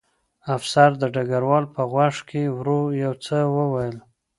افسر د ډګروال په غوږ کې ورو یو څه وویل